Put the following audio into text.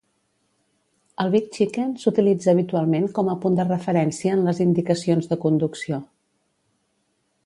El Big Chicken s'utilitza habitualment com a punt de referència en les indicacions de conducció.